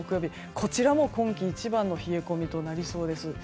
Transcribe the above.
こちらも今季一番の冷え込みとなりそうです。